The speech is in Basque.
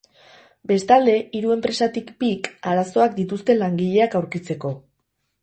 Bestalde, hiru enpresatik bik arazoak dituzte langileak aurkitzeko.